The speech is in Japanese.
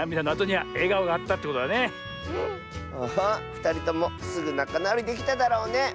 ふたりともすぐなかなおりできただろうね。